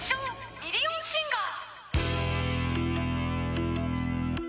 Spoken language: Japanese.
ミリオンシンガー